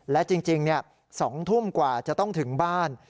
และจริง๒ทุ่มกว่าจะต้องถึงบ้าน